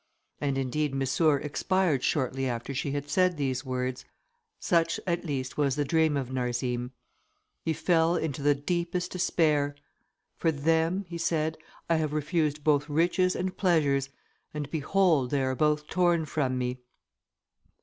And indeed Missour expired shortly after she had said these words. Such, at least, was the dream of Narzim. He fell into the deepest despair. "For them," he said, "I have refused both riches and pleasures, and, behold, they are both torn from me."